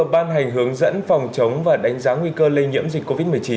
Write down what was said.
bộ y tế vừa ban hành hướng dẫn phòng chống và đánh giá nguy cơ lây nhiễm dịch covid một mươi chín